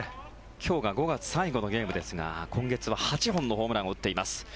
今日が５月最後のゲームですが今月は８本のホームランを打っています。